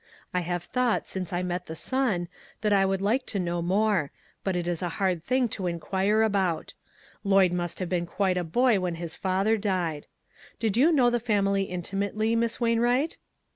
I have thought since I met the son that I would like to know more, but it is a hard thing to in quire about. Lloyd must have been quite a boy when his father died. Did you know the family intimately, Miss Wain wright?"